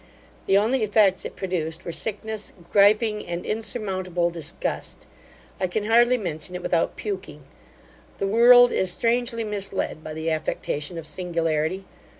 The only effects it produced were sickness, griping, and insurmountable disgust. I can hardly mention it without puking. The world is strangely misled by the affectation of singularity.